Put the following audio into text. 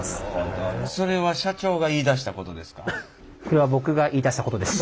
これは僕が言いだしたことです。